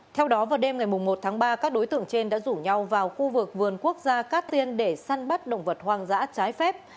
theo đó vào đêm ngày một tháng ba các đối tượng trên đã rủ nhau vào khu vực vườn quốc gia cát tiên để săn bắt động vật hoang dã trái phép